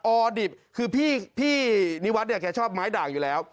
อดิบคือพี่นิวัฒน์เนี่ยแกชอบไม้ด่างอยู่แล้ว